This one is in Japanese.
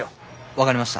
分かりました。